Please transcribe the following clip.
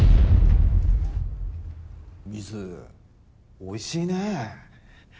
水おいしいね。